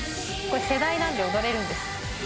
これ世代なんで踊れるんです。